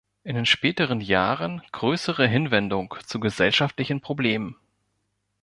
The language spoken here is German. In den späteren Jahren größere Hinwendung zu gesellschaftspolitischen Problemen.